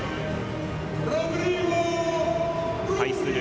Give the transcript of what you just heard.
対する